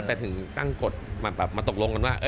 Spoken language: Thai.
แต่ถึงตั้งกฎมาตกลงกันว่า